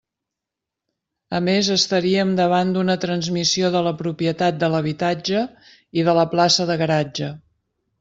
A més estaríem davant d'una transmissió de la propietat de l'habitatge i de la plaça de garatge.